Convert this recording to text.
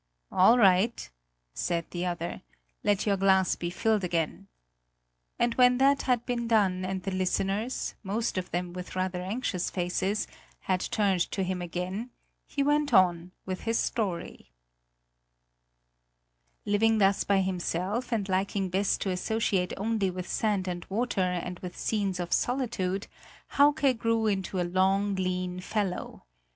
"All right," said the other. "Let your glass be filled again!" And when that had been done and the listeners, most of them with rather anxious faces, had turned to him again, he went on with his story: Living thus by himself and liking best to associate only with sand and water and with scenes of solitude, Hauke grew into a long lean fellow.